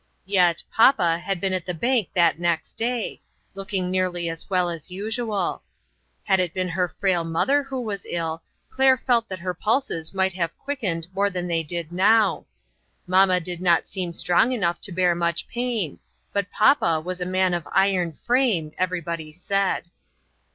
Yet "papa "had been at the bank that next day, looking nearly as well as usual. Had it been her frail mother who was ill, Claire felt that her pulses would have quickened more than they did now. Mamma did not seem strong enough to bear much pain, but papa was a man of iron frame, everybody said.